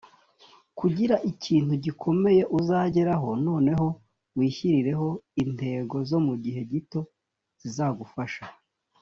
kugira ikintu gikomeye uzageraho noneho wishyirireho intego zo mu gihe gito zizagufasha